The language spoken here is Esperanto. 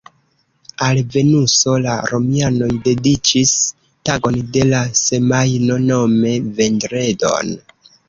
Al Venuso la romianoj dediĉis tagon de la semajno, nome vendredon.